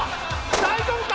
大丈夫か？